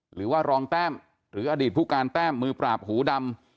หรือว่ารองแต้มหรืออดีตผู้การแต้มมือปราบหูดำ